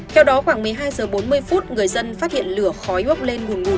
theo đó khoảng một mươi hai h bốn mươi phút người dân phát hiện lửa khói bốc lên ngùn ngụt